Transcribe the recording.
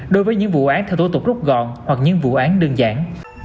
đối với những vụ án theo tố tụng rút gọn hoặc những vụ án đơn giản